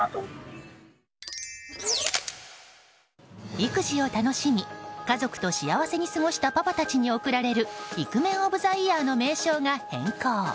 育児を楽しみ家族と幸せに過ごしたパパたちに贈られるイクメンオブザイヤーの名称が変更。